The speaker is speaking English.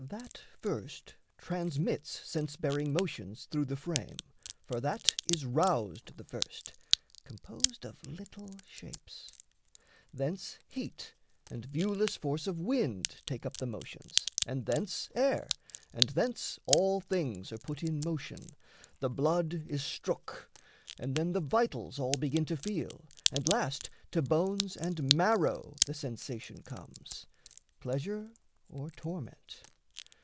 That first transmits Sense bearing motions through the frame, for that Is roused the first, composed of little shapes; Thence heat and viewless force of wind take up The motions, and thence air, and thence all things Are put in motion; the blood is strook, and then The vitals all begin to feel, and last To bones and marrow the sensation comes Pleasure or torment.